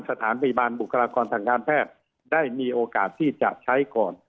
สถานพยาบาลบุคลากรทางการแพทย์ได้มีโอกาสที่จะใช้ก่อน